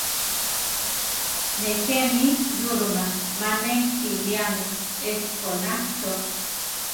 Nejé mi yúroma, mane simíame echí goná chó.